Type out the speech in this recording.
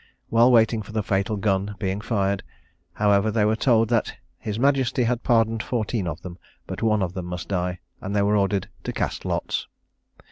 While waiting for the fatal gun being fired, however, they were told that his majesty had pardoned fourteen of them, but one of them must die; and they were ordered to cast lots.